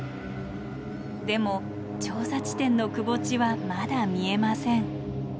でも調査地点のくぼ地はまだ見えません。